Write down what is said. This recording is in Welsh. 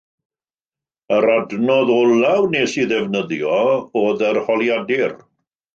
Yr adnodd olaf wnes i ddefnyddio oedd yr holiadur